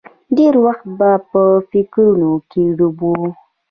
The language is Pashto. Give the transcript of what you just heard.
ډېر وخت به په فکرونو کې ډوب و.